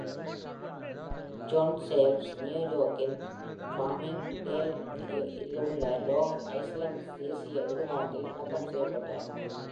Gonsalves நியூயார்க்கின் Farmingdale-இல் உள்ள Long Island தேசிய இடுகாட்டில் அடக்கம் செய்யப்பட்டார்.